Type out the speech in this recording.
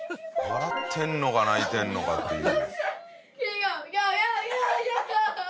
笑ってるのか泣いてるのかっていう。